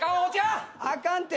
あかんって。